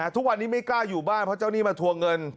ทุกวันนี้ไม่กล้าอยู่บ้านเพราะเจ้าหนี้มาทวงเงิน